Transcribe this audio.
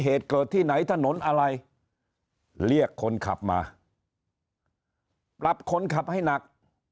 เหตุเกิดที่ไหนถนนอะไรเรียกคนขับมาปรับคนขับให้หนัก